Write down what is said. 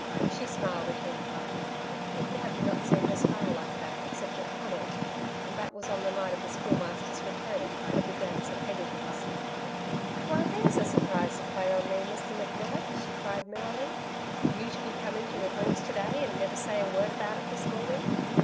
She smiled at him. McNab had not seen her smile like that except at Conal, and that was on the night of the Schoolmaster's return, at the dance at Hegarty's. "Why there's a surprise to play on me, Mr. McNab?" she cried merrily. "You to be coming up the hills to day and never say a word about it this morning.